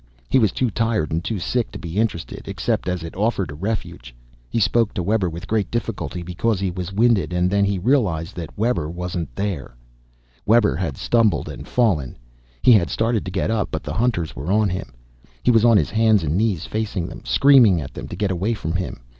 He was too tired and too sick to be interested, except as it offered a refuge. He spoke to Webber, with great difficulty because he was winded. And then he realized that Webber wasn't there. Webber had stumbled and fallen. He had started to get up, but the hunters were on him. He was on his hands and knees facing them, screaming at them to get away from him.